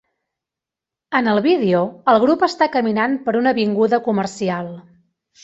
En el vídeo, el grup està caminant per una avinguda comercial.